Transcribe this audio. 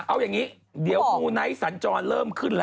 เอาอย่างนี้เดี๋ยวมูไนท์สัญจรเริ่มขึ้นแล้ว